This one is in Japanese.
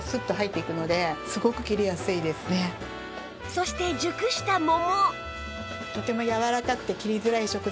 そして熟した桃